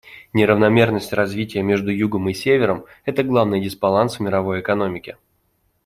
Неравномерность развития между Югом и Севером — это главный дисбаланс в мировой экономике.